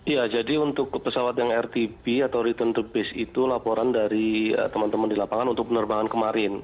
ya jadi untuk pesawat yang rtb atau return to base itu laporan dari teman teman di lapangan untuk penerbangan kemarin